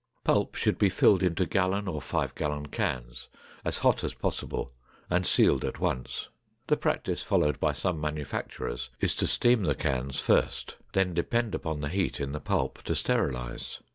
Pulp should be filled into gallon or five gallon cans as hot as possible and sealed at once. The practice followed by some manufacturers is to steam the cans first, then depend upon the heat in the pulp to sterilize.